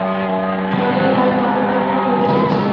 ডলি তার বকর বকর করেই যাচ্ছিলো।